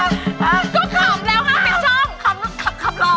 ก็ขำแล้วค่ะ